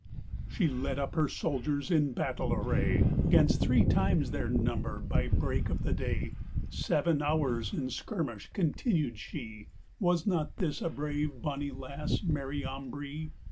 Shee ledd upp her souldiers in battaile array, Gainst three times theyr number by breake of the daye; Seven howers in skirmish continued shee: Was not this a brave bonny lasse, Mary Ambree?